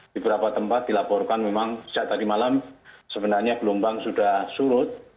di beberapa tempat dilaporkan memang sejak tadi malam sebenarnya gelombang sudah surut